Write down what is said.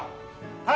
はい！